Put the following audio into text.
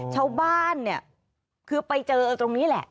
ชาวบ้านเนี่ยคือไปเจอตรงนี้แหละ